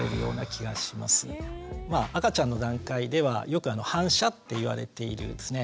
まあ赤ちゃんの段階ではよく「反射」っていわれているですね